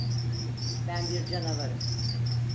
Ben bir canavarım.